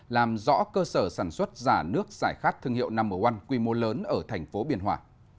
làm rõ cơ sở sản xuất giả nước giải khát thương hiệu no một quy mô lớn ở tp biên hòa